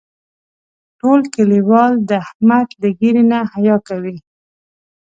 ټول کلیوال د احمد له ږیرې نه حیا کوي.